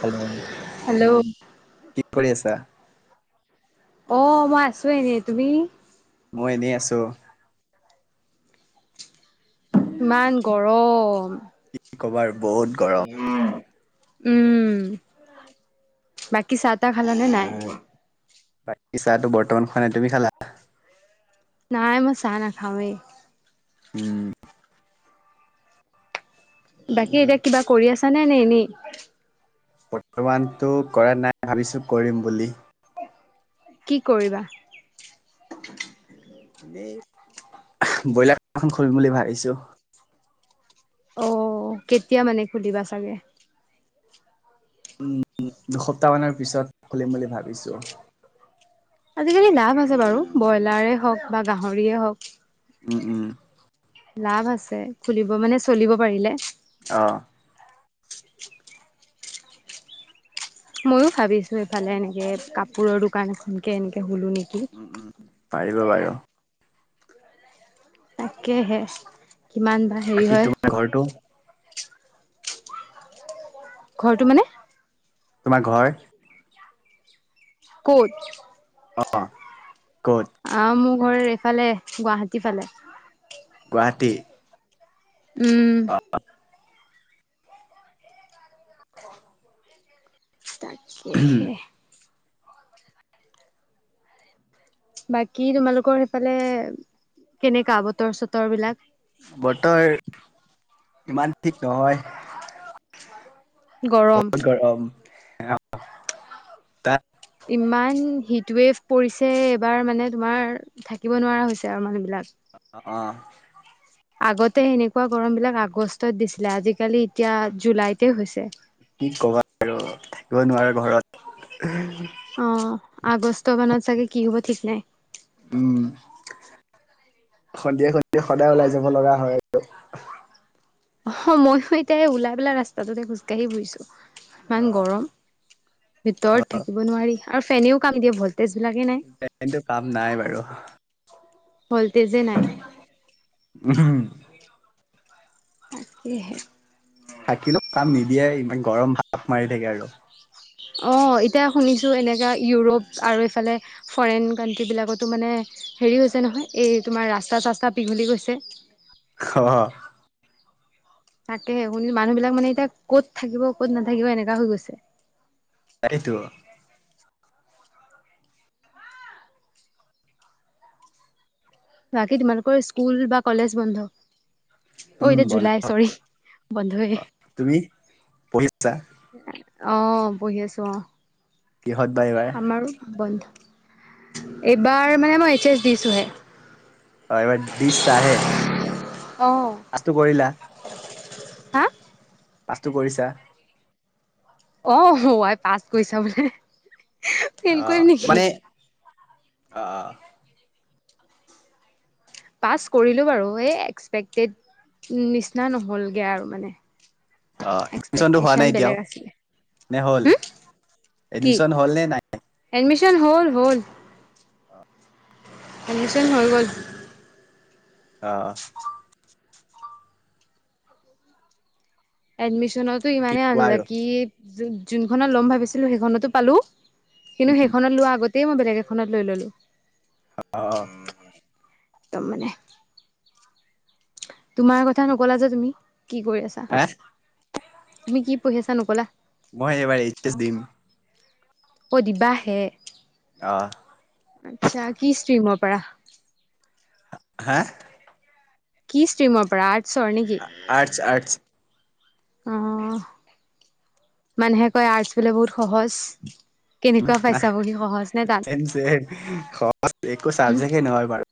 Hello hello কি কৰি আছা অ', মই আছো এনেই, তুমি? মই এনেই আছোঁ। ইমান গৰম। ক'বাৰ বহুত গৰ উম, বাকী চাহ তাহ খালানে নাই? বাকী চাহটো বৰ্তমান খোৱা নাই, তুমি খালা? নাই, মই চাহ নাখাওঁৱেই। উম, বাকী এতিয়া কিবা কৰি আছানে নে এনেই? বৰ্তমানটো কৰা নাই, ভাবিছো কৰিম বুলি। কি কৰিবা? এই ব্ৰইলাৰ ফ্ৰাৰ্ম এখন খুলিম বুলি ভাবিছো। অ', কেতিয়া মানে খুলিবা চাগে? উম, দুসপ্তাহ মানৰ পিছত খুলিম বুলি ভাবিছো। আজিকালি লাভ আছে বাৰু, ব্ৰইলাৰেেই হওক বা গাহৰিয়ে হওক। উম, উম। লাভ আছে খুলিব, মানে চলিব পাৰিলে। অ'। মইও ভাবিছো এইফালে, এনেকে কাপোৰৰ দোকান এখনকে এনেকে খোলো নেকি। উম, উম, পাৰিবা বাৰু। তাকেহে, কিমান বা হেৰি বাকী হয় তোমাৰ ঘৰটো? ঘৰটো মানে? তোমাৰ ঘৰ? ক'ত? অ', ক'ত? অ', মোৰ ঘৰ এইফালে, গুৱাহাটী ফালে। গুৱাহাটী? উম। অ'। তাকেহে। বাকী তোমালোকৰ সেইফালে কেনেকা বতৰ চতৰ বিলাক? বতৰ ইমান ঠিক নহয়। গৰম। বহুত গৰম। তাত ইমান হিট ৱেভ পৰিছে, এইবাৰ মানে তোমাৰ থাকিব নোৱাৰা হৈছে আৰু মানুহ বিলাক। অ'। আগতে এনেকুৱা গৰম বিলাক আগষ্টত দিছিলে, আজিকালি এতিয়া জুলাইতে হৈছে। কি ক'বা আৰু, থাকিব নোৱাৰে ঘৰত। অ', আগষ্ট মানত চাগে কি হ'ব ঠিক নাই? উম, সন্ধিয়া সন্ধিয়া সদায় ওলাই যাব লগা হয় আৰু। অ', মইও এতিয়া এই ওলাই পেলাই ৰাস্তাটোতে খোজকাঢ়ি ফুৰিছো, ইমান গৰম। ভিতৰত অ', থাকিব নোৱাৰি, আৰু ফেনেও কাম নিদিয়ে ভল [unintelligible] কাম নাই বাৰু। ভল্টেজ যে নাই। উম। তাকেহে। থাকিলো কাম নিদিয়ে, ইমান গৰম ভাপ মাৰি থাকে আৰু। অ', এতিয়া শুনিছো এনেকা, ইউৰোপ আৰু এইফালে ফৰেইন কাউণ্ট্ৰিবিলাকতো মানে হেৰি হৈছে নহয়, এই তোমাৰ ৰাস্তা চাস্তা পিঘলি গৈছে। [unintelligible] তাকেহে শুনি মানুহ বিলাক মানে এতিয়া ক'ত থাকিব ক'ত নাথাকিব এনেকুৱা হৈ গৈছে। তাকেইতো বাকী তোমালোকৰ স্কুল বা কলেজ বন্ধ? অ', উম, এতিয়া বন জুলাই চৰি বন্ধ এ। তুমি পঢ়ি আছা অ', পঢ়ি আছো অ', কিহত বা এইবাৰ? আমাৰো বন্ধ এইবাৰ মানে মই এইচ এচ দিছো হে। অ', এইবাৰ দিচাহে অ পাছটো কৰিলা? হা পাছটো কৰিছোঁ? অ', ৱাই পাছ কৰিছা বোলে ফেইল কৰিম অ', নেকি মানে অ', পাছ কৰিলো বাৰু এই এক্সপেক্টেড উম, নিচিনা নহ'লগে আৰু মানে। অ', এডমিচনটো হোৱা এক্সপেক্টেশচন নাই এতিয়াও বেলেগ আছিলে নে হ'ল? কি এডমিচন হ'ল নে নাই? এডমিশন হ'ল হ'ল। এডমিশন হৈ গ'ল। অ', এডমিশনতো কি ইমানেই কোৱা আৰু আনলকি যোনখনত ল'ম ভাবিছিলোঁ সেইখনতো পালো কিন্তু সেইখনত লোৱা আগতেই মই বেলেগ এখনত লৈ ললো। অ', তম মানে তোমাৰ কথা নকলা যে তুমি, কি কৰি আছা? হাঁ? তুমি কি পঢ়ি আছা নকলা মই এইবাৰ এইচ এছ দিম। অ', দিবাহে অ', আচ্ছা কি ষ্ট্ৰিমৰ পাৰা? হাঁ? কি ষ্ট্ৰিমৰ পৰা আৰ্টছৰ নেকি? Arts - arts. অ', মানুহে কই আৰ্টছ বোলে বহুত সহজ। উম, কেনেকুৱা আ, পাইছা বহি সহজ নে টান সহজ একো উম চাবজেক্টে নহয় বাৰু।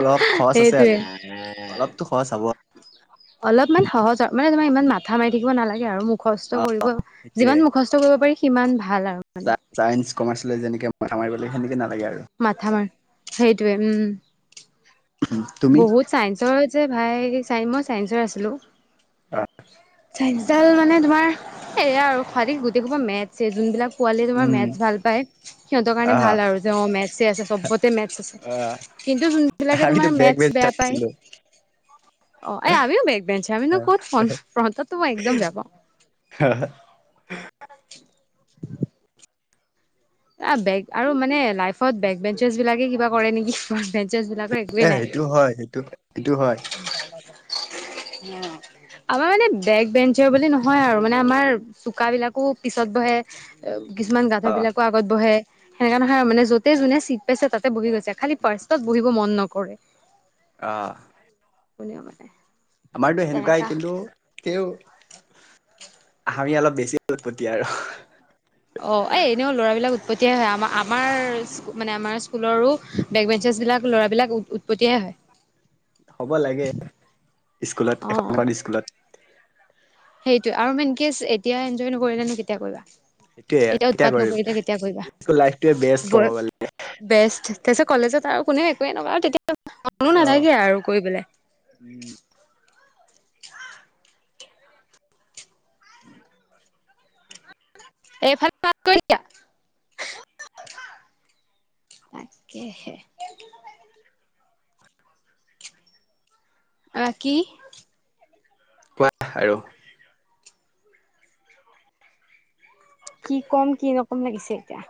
অলপ খৰচ আছে আৰু সেইটোয়ে অলপতো খৰচ হব। অলপমান সহজ আৰু মানে তোমাৰ ইমান মাত মাথা মাৰি থাকিব নালাগে আৰু মুখস্থ কৰিব সেইটোয়ে যিমান মুখস্থ কৰিব পাৰি সিমান ভাল আৰু মানে ছাইন্স কমাৰ্চ লৈ যেনেকে মাথা মাৰিব লাগে সেনেকে নালাগে আৰু। মাথা মাৰ সেইটোৱে উম, উম, বহুত চাইন্সৰ যে ভাই চাই মই চাইন্সৰ আছিলোঁ ডাল মানে তোমাৰ সেয়া আৰু খোৱাদি গোটেই খোব মেট ছে যোনবিলাক পোৱালীয়ে তোমাৰ উম মেথছ ভাল পায় সিহঁতৰ কাৰণে আহা ভাল আৰু যে অ', মেথছে আছে চবতে মেথছ আছে আহ কিন্তু যোনবিলাকে আমিতো তোমাৰ মে বেক বেয়া বেঞ্চাৰ পায় আছিলো অ', এই আমিও বেগ বেঞ্চাৰ আমিনো ক'ত ফ্ৰন্ট ফ্ৰন্টতটো মই একদম বেয়া পাওঁ। হা, হা বেগ আৰু মানে লাইফত বেগ বেঞ্চৰচ বিলাকে কিবা কৰে নেকি? বেঞ্চৰচ বিলাকৰ একোৱেই এ নাই। সেইটো হয় সেইটো সেইটো হয় অ', আমাৰ মানে বেক বেঞ্চৰ বুলি নহয় আৰু মানে আমাৰ চোক বিলাকো পিছত বহে কিছুমান গাধ অ বিলাকো আগত বহে সেনেকা নহয় মান যতে যোনে চিট পাইছে তাতে বহি গৈছে খালি পাৰ্ষত বহিব মন নকৰে অঁ উিয়ও মানে আমাৰতো সেনেকুৱাই তেনেকা কিন্তু ক আমি অলপ বেছি উৎপতি আৰু অ এ এনেও ল'ৰাবলাক উৎপত্তিয়ে হয় আমাৰ আমাৰ মানে আমাৰ স্কুলৰো বেক বেঞ্চেছবিলাক ল'ৰাবিলাক উপত্তিয়াই হয় হ'ব লাগে স্কুলত অ এখন স্কুলত সেইটোয়ে আৰু মনকছ এতিয়া এনজয় নকৰিলে নো কেতিয়া কৰিবা সেইটোয়ে আৰু এতিয়া কেতিয়া উৎপাত কৰিম নকৰিয়া কেতিয়া কৰিবা স্কুল লাইফটোৱে বেষ্ট ক'ব গৈ গ'লে বেষ্ট তাৰপিছত কলেজত আৰু কোনেও একোৱে নকয় আৰু তেতিয়া মো নাথাকে আৰু কৰিবলে উম এইফাল তাকাকেহে আহ কি কোৱা আৰু কি ক'ম কি নকম লাগিছে এতিয়া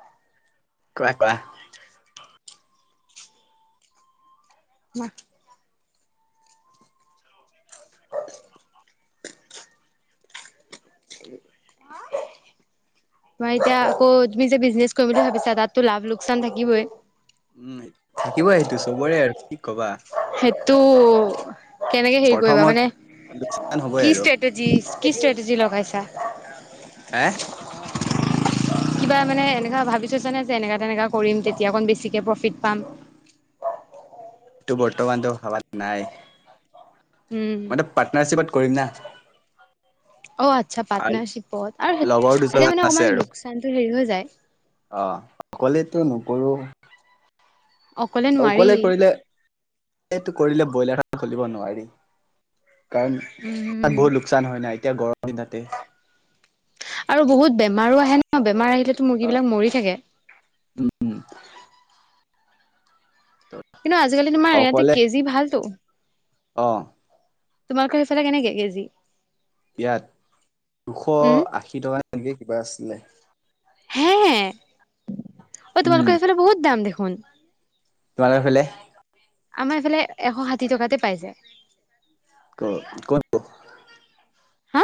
কোৱা কোৱা ম হয় [inaudible] মই এতিয়া আকৌ তুমি যে বিজনেচ কৰিম বুলি ভাবিছা তাতো লাভ লোকচান থাকিবই উম থাকিব সেইটো চবৰে আৰু কি কবা সেত কেনেকে হেৰি কৰিবা প্ৰথমত মানে লোকচান হ'বই কি আৰু ষ্ট্ৰেটেজি কি ষ্ট্ৰেটেজী লগাইছা হে কিবা মানে এনেককাা ভাবিছৈছানে যে এনেকা তেনেকা কৰিম তেতিয়া অকণ বেছিকে প্ৰফিট পাম এইটো বৰ্তমানটো হ নাই উম মই পাৰ্টনাৰশ্বিপত কৰিম না অ আচ্ছা আৰু পাৰ্টনাৰশ্বিপত আৰু লগৰ তেতিয়া দুজনমান মানে আছে অকমান আৰু লোকচানটো হেৰি হৈ যায় অ অকলেতো নকৰো অকলে কৰিলে এইটো কৰিলে ব্ৰইলাৰখন খুলিব নোৱাৰি কাৰণ তাত উম বহুত লোকচান হয় নাই এতিয়া গৰম দনাতে আৰু বহুত বেমাৰো আহে ন বেমাৰ আহিলেতো অ মুৰ্গীবিলাক মৰি থাকে উম কিন্তু আজিকালি তোমাৰ ইয়াতে অকলে কেজি ভালতো অ তোমালোকৰ এইফালে কেনেকে কেজি ইয়াত দুশ উম আশী টকা এনেকে কিবা আছিলে হে অ উম তোমালোকৰ এইফালে বহুত দাম দেখোন তোমালোক ফৰিে আমাৰ এইফালে এশ ষাঠি টকাতে পাইছে ক ক হা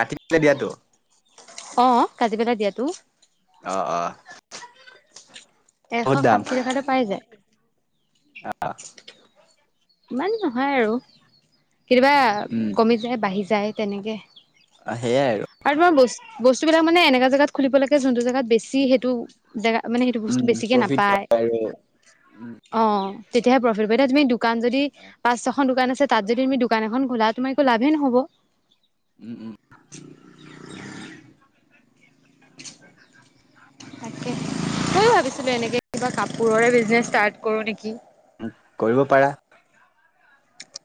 ৰাতিলে দিয়াতো অ কাজি পেলা দিয়াতো অ অ এশ বহুত ষাঠি টকাতটো পাই যায় আহ ইমান নহয় আৰু কেতিয়াবা উম কমি যায় বাঢ়ি যায় তেনেকে অ' সেয়াই আৰু। আৰু [unintelligible] বস্তুবিলাক মানে এনেকা জেগাত খুলিব লাগে যোনটো জেগাত বেছি সেইটো জেগা মানে সেইটো বস্তু উম বেছিকে প্ৰফিট নাপায়। হয় আৰু উম অ' তেতিয়াহে প্ৰফিট হ'ব, এতিয়া তুমি দোকান যদি পাঁচ ছখন দোকান আছে তাত যদি তুমি দোকান এখন খোলা তোমাৰ একো লাভেই নহ'ব। উম, উম। [inaudible] [inaudible] তাকে ময়ো ভাবিছিলো এনেকে কিবা কাপোৰৰে বিজনেছ ষ্টাৰ্ট কৰো নেকি। কৰিব পাৰা।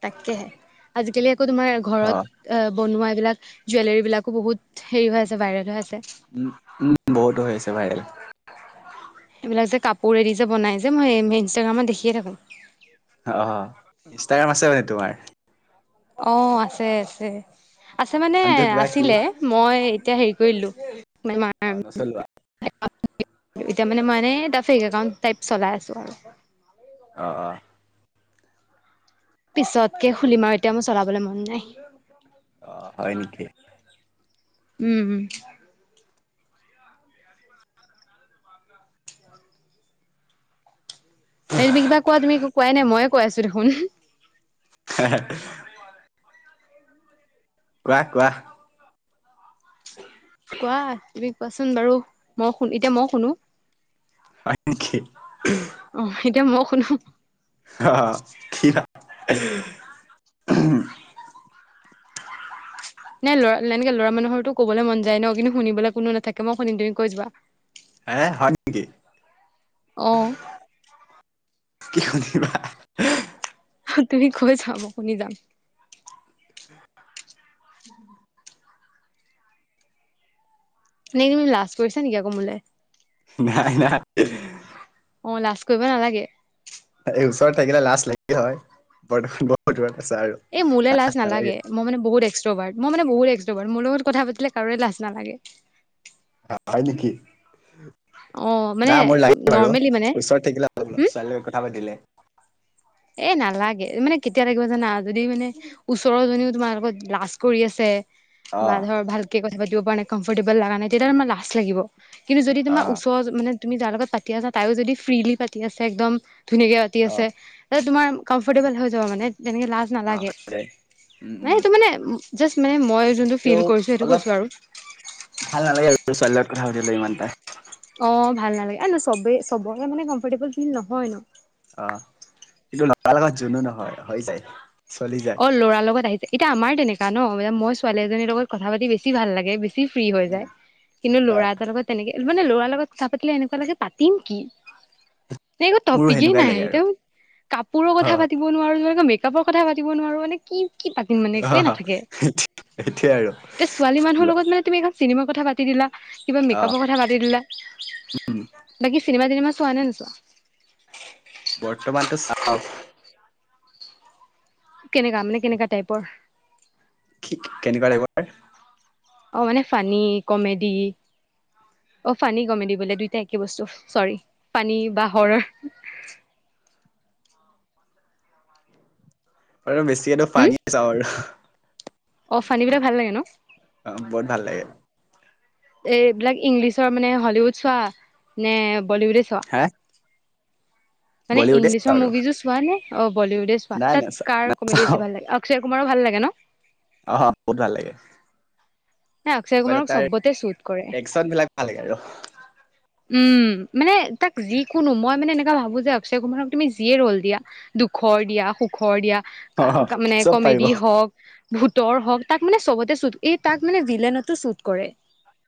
তাকেহে, আজিকালি আকৌ তোমাৰ অ ঘৰত অ' বনোৱা এইবিলাক, জুৱেলাৰী বিলাকো বহুত হেৰি হৈ আছে, ভাইৰেল হৈ আছে। উম, উম বহুত হৈ আছে ভাইৰেল। এইবিলাক যে কাপোৰেদি যে বনাই যে মই ইনষ্টাগ্ৰামত দেখিয়ে থাকো। অ' ইনষ্টাগ্ৰাম আছে মানে তোমাৰ। অ' আছে আছে, আছে মানে নামটো কিবা কি আছিলে। মই এতিয়া হেৰি কৰি দিলো অ নচলোৱা [unintelligible] এতিয়া মানে মই এনে এটা ফেক একাউণ্ট টাইপ চলাই আছোঁ আৰু। অ', অ'। পিছতকে খুলিম আৰু এতিয়া মোৰ চলাবলৈ মন নাই। অ' হয় নেকি? উম, উম। এই তুমি কিবা কোৱা, তুমি একো কোৱাই নাই ময়ে কৈ আছো দেখোন। [unintelligible] কোৱা, কোৱা। কোৱা, তুমি কোৱাচোন বাৰু মই শুন এতিয়া মই শুনো। হয় নেকি? অ' এতিয়া মই শুনো। অ' [unintelligible] নাই ল'ৰা এনেকে ল'ৰা মানুহৰটো ক'বলৈ মন যায় ন, কিন্তু শুনিবলৈ কোনো নাথাকে মই শুনিম তুমি কৈ যোৱা। হে হয় নেকি? অ'। কি শুনিবা? তুমি কৈ যোৱা মই শুনি যাম। [unintelligible] নে তুমি লাজ কৰিছা নেকি আকৌ মোলে? নাই নাই অ' লাজ কৰিব নালাগে। এই ওচৰত থাকিলে লাজ লাগিলে হয়, বৰ্তমান বহুত দূৰত আছা আৰু। এ মোলে লাজ নালাগে, ই মানে বহুত এক্সট্ৰোভাৰ্ট, মই মানে বহুত এক্সট্ৰোভাৰ্ট মোৰ লগত কথা পাতিলে কাৰোৰে লাজ নালাগে। হয় নেকি? অ', মানে না মোৰ লাগে বাৰু নৰ্মেলি মানে ওচৰত থাকিলে হম ছোৱালীৰ লগত কথা পাতিলে। এ নালাগে, মানে কেতিয়া লাগিব জানা যদি মানে ওচৰৰ জনীও তোমাৰ লগত লাজ কৰি আছে। বা অ ধৰ ভালকে কথা পাতিব পৰা নাই কম্ফৰ্টেবল লগা নাই। তেতিয়া তোমাৰ লাজ লাগিব কিন্তু যদি তোমাৰ অ ওচৰ মানে তুমি যাৰ লগত পাতি আছা তাইয়ো যদি ফ্ৰীলি পাতি আছে একদম ধুনীয়াকে পাতি অ', আছে। তোমাৰ কম্ফৰ্টেবল হৈ যাব মানে তেনেকে লাজ অ', নালাগে। হৈ যায় উম, মানে উম, সেইটো মানে জাষ্ট মানে মই যোনটো ফিল তেওঁ কৰিছো সেইটো অলপ কৈছো আৰু ভাল নালাগে আৰু ছোৱালীৰ লগত কথা পাতিবলৈ ইমানতা। অ', ভাল নালাগে অনো চবেই চবৰে মানে কমফৰ্টেবল ফিল নহয় ন'। অ', কিন্তু লৰাৰ লগত জোনো নহয় হৈ যায় চলি যায়। অ ল'ৰাৰ লগত আহিছে, এতিয়া আমাৰ তেনেকা ন' মই ছোৱালী এজনীৰ লগত কথা পাতি বেছি ভাল লাগে বেছি ফ্ৰী হৈ যায়, কিন্তু ল'ৰা এটাৰ লগত তেনেকে মানে ল'ৰাৰ লগত কথা পাতিলে এনেকুৱা লাগে, পাতিম কি? নাই একো মোৰো টপিকেই সেনেকুৱাই নাই, লাগে আৰু একদম কাপোৰৰ কথা অ', পাতিব নোৱাৰো মেকআপৰ কথা পাতি পাতিব নোৱাৰো মানে কি কি পাতিম মানে একোৱে নাথাকে, সেইটোৱে আৰু এতিয়া ছোৱালী মানুহৰ লগত মানে তুমি একদম চিনেমাৰ কথা পাতি দিলা, কিবা অ', মেকআপৰ কথা পাতি দিলা উম, বাকী চিনেমা তিনেমা চোৱা নে নচোৱা? বৰ্তমানটো চাওঁ। কেনেকা মানে কেনেকা টাইপৰ? কি কেনেকুৱা টাইপৰ অ', মানে ফানী কমেডি অ', ফানী কমেদি বোলে দুইটাই একে বস্তু চৰি ফানী বা হৰৰ? আৰু বেছিটো হম ফানীয়ে চাওঁ আৰু অ', ফানিবিলাক ভাল লাগে ন'? অ', বহুত ভাল লাগে। এইবিলাক ইংলিছৰ মানে হলীউড চোৱা নে বলীউডে চোৱা? হেঁ? মানে ইংলিছৰ চাওঁ আৰু মুভিজো চোৱা নে অ, বলিউডে চোৱা নাই নাচা তাত কাৰ কমেডী নাচাওঁ বেছি ভাল লাগে? অক্ষয় কুমাৰু ভাল লাগে ন? অ', বহুত ভাল লাগে। ন অক্ষয় মানে কুমাৰক তাৰ চবতে শ্বুট কৰে একচন বিলাক ভাল লাগে আৰু। উম, মানে তাক যিকোনো মই মানে এনেকুৱা ভাবো যে অক্ষয় কুমাৰক তুমি যিয়ে ৰ'ল দিয়া দুখৰ দিয়া সুখৰ দিয়া অ', মানে চব পাৰিব। ক-কমেডি হওক ভূতৰ হওক, তাক মানে চবতে শুট, এই তাক মানে ভিলেনতো শ্বুট কৰে।